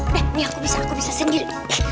eh ini aku bisa aku bisa sendiri